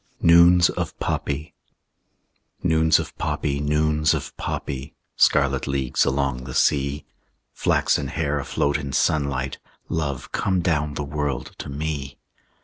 NOONS OF POPPY Noons of poppy, noons of poppy, Scarlet leagues along the sea; Flaxen hair afloat in sunlight, Love, come down the world to me!